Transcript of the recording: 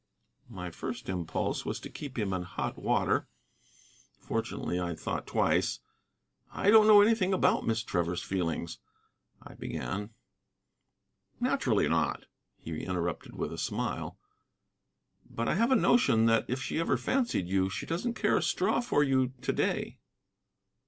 My first impulse was to keep him in hot water. Fortunately I thought twice. "I don't know anything about Miss Trevor's feelings " I began. "Naturally not " he interrupted, with a smile. "But I have a notion that, if she ever fancied you, she doesn't care a straw for you to day."